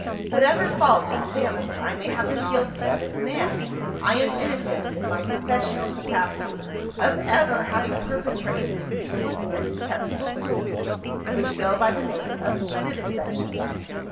Whatever faults and failings I may have been guilty of as a man, I am innocent, in my professional capacity, of ever having perpetrated the useless and detestable cruelties which go by the name of Vivisection.